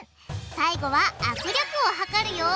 最後は握力を測るよ！